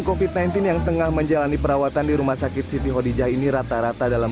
kofit sembilan belas yang tengah menjalani perawatan di rumah sakit siti hodijah ini rata rata dalam